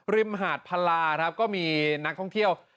มหาดพลาครับก็มีนักท่องเที่ยว